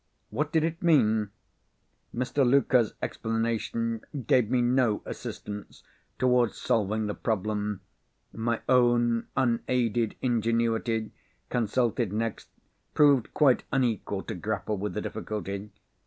What did it mean? Mr. Luker's explanation gave me no assistance towards solving the problem. My own unaided ingenuity, consulted next, proved quite unequal to grapple with the difficulty.